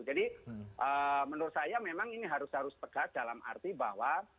jadi menurut saya memang ini harus harus pegat dalam arti bahwa